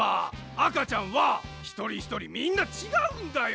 あかちゃんはひとりひとりみんなちがうんだよ！